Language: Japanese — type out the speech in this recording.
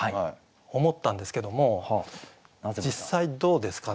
思ったんですけども実際どうですかね？